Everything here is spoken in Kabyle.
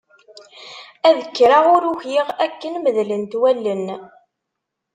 Ad kreɣ ur ukiɣ akken medlent wallen.